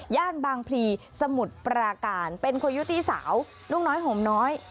บางพลีสมุทรปราการเป็นคนยุติสาวนุ่งน้อยห่มน้อย